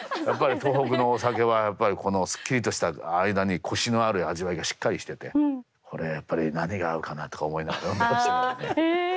やっぱり東北のお酒はやっぱりこのスッキリとした間にコシのある味わいがしっかりしててこれはやっぱり何が合うかな？とか思いながら飲んでましたけどね。